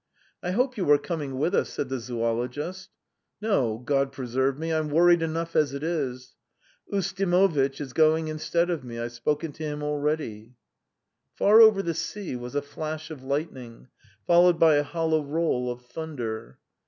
"I hope you are coming with us?" said the zoologist. "No, God preserve me; I'm worried enough as it is. Ustimovitch is going instead of me. I've spoken to him already." Far over the sea was a flash of lightning, followed by a hollow roll of thunder.